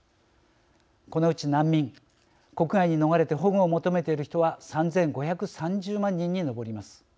このうち難民国外に逃れて保護を求めている人は３５３０万人に上ります。